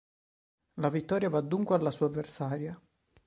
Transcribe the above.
La vittoria, va dunque alla sua avversaria.